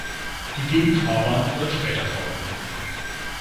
Die Gegenfahrbahn soll später folgen.